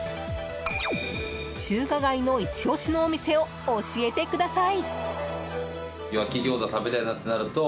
中華街のイチ押しのお店を教えてください！